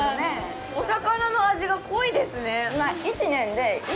お魚の味が濃いですね。